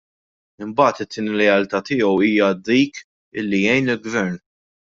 Imbagħad it-tieni lealtà tiegħu hija dik illi jgħin lill-Gvern.